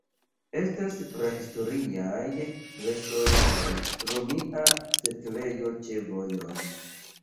Estas prahistoriaj restoj kaj romia setlejo ĉe vojoj.